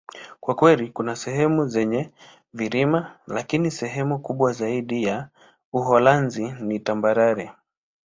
Kwa kweli, kuna sehemu zenye vilima, lakini sehemu kubwa zaidi ya Uholanzi ni tambarare.